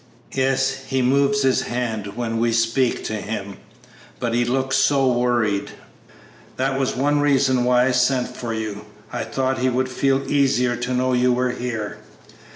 "Yes, he moves his hand when we speak to him, but he looks so worried. That was one reason why I sent for you; I thought he would feel easier to know you were here."